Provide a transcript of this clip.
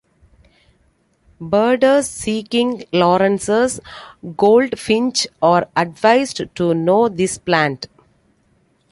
Birders seeking Lawrence's goldfinch are advised to know this plant.